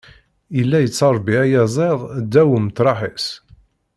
Yella yettṛebbi ayaziḍ ddaw umeṭreḥ-is.